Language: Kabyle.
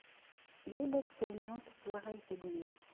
Yal ass trennu tettwaɣay tegnit.